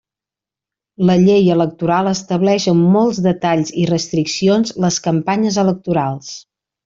La Llei Electoral estableix amb molts detalls i restriccions les campanyes electorals.